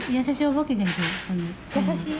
優しい？